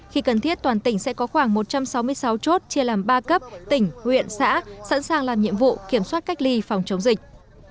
khi cần thiết toàn tỉnh sẽ có khoảng một trăm sáu mươi sáu chốt chia làm ba cấp tỉnh huyện xã sẵn sàng làm nhiệm vụ kiểm soát cách ly phòng chống dịch